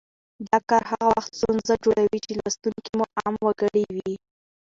دا کار هغه وخت ستونزه جوړوي چې لوستونکي مو عام وګړي وي